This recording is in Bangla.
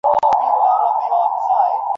আর কোনো ভয় নেই, সে পালিয়ে গেছে।